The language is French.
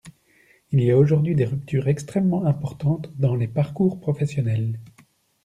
Il y a aujourd’hui des ruptures extrêmement importantes dans les parcours professionnels.